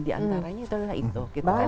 di antaranya itu adalah itu gitu kan